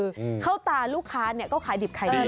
คือเข้าตาลูกค้าเนี่ยก็ขายดิบไข่ดิบ